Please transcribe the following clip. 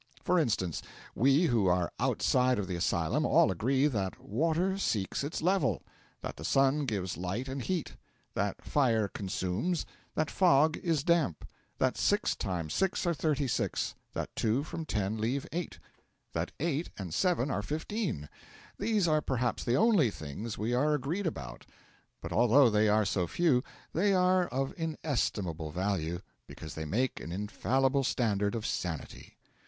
For instance, we who are outside of the asylum all agree that water seeks its level; that the sun gives light and heat; that fire consumes; that fog is damp; that 6 times 6 are thirty six; that 2 from 10 leave eight; that 8 and 7 are fifteen. These are perhaps the only things we are agreed about; but although they are so few, they are of inestimable value, because they make an infallible standard of sanity.